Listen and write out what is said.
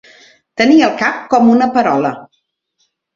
Tenir el cap com una perola.